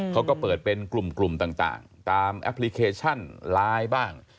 เขาก็เปิดเป็นกลุ่มต่างตามแอปพลิเคชันไลน์บ้าง